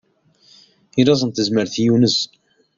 I laẓ n tezmert yunez.